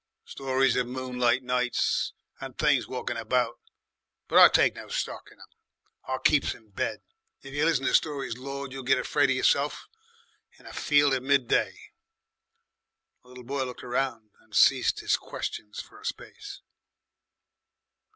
"Stories of moonlight nights and things walking about. But I take no stock in 'em. I keeps in bed. If you listen to stories Lord! You'll get afraid of yourself in a field at midday." The little boy looked round and ceased his questions for a space.